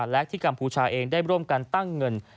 และที่กัมพูชาเองได้ร่วมกันตั้งเงิน